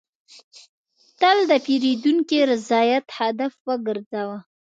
تل د پیرودونکي رضایت هدف وګرځوه.